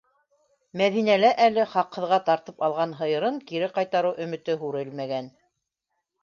- Мәҙинәлә әле хаҡһыҙға тартып алған һыйырын кире ҡайтарыу өмөтө һүрелмәгән.